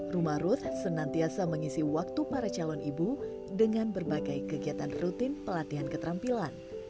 rumah ruth senantiasa mengisi waktu para calon ibu dengan berbagai kegiatan rutin pelatihan keterampilan